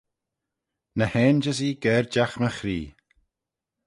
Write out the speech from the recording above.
Ny ainjysee gerjagh my chree.